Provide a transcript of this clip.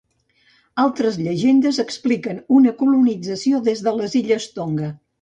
Altres llegendes expliquen una colonització des de les illes Tonga.